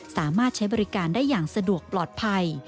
สามารถใช้บริการได้อย่างสะดวกปลอดภัย